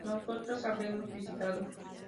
Nosotras habremos visitado